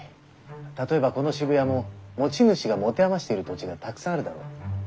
例えばこの渋谷も持ち主が持て余している土地がたくさんあるだろう？